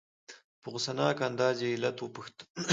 په غصناک انداز یې علت وپوښته.